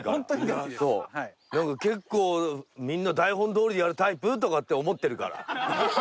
なんか結構みんな台本どおりやるタイプ？とかって思ってるから。